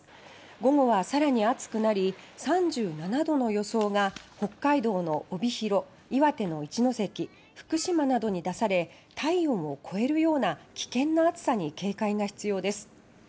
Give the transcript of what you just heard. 午後はさらに暑くなり３７度の予想が北海道の帯広、岩手の一関福島などに出され体温を超えるような危険な暑さに警戒が必要です。